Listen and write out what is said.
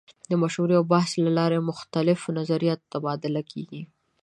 د مشورې او بحث له لارې د مختلفو نظریاتو تبادله کیږي.